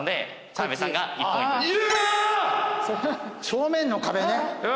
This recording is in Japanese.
正面の壁ね。